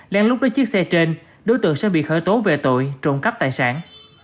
lần lúc đưa chiếc xe trên đối tượng sẽ bị khởi tố về tội trộm cắp tài sản